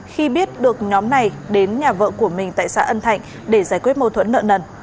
khi biết được nhóm này đến nhà vợ của mình tại xã ân thạnh để giải quyết mâu thuẫn nợ nần